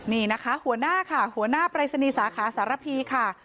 นี่นะคะหัวหน้าค่ะหัวหน้าปรายศนีย์สาขาสารพีค่ะ